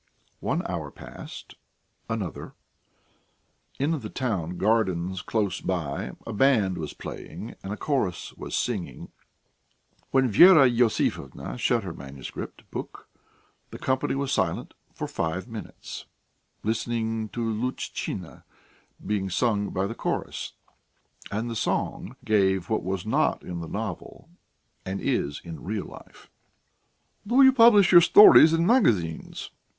One hour passed, another. In the town gardens close by a band was playing and a chorus was singing. When Vera Iosifovna shut her manuscript book, the company was silent for five minutes, listening to "Lutchina" being sung by the chorus, and the song gave what was not in the novel and is in real life. "Do you publish your stories in magazines?"